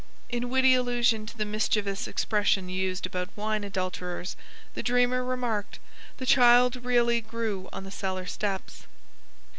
In witty allusion to the mischievous expression used about wine adulterers, the dreamer remarked, "The child really grew on the cellar steps."